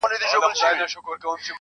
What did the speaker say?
• ارمانه اوس درنه ښكلا وړي څوك.